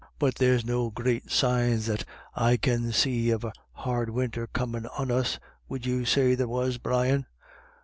But there's no great signs that I can see of a hard winter coram 1 on us — would you say there was, Brian